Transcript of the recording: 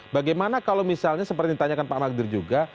bagaimana kalau misalnya seperti ditanyakan pak magdir juga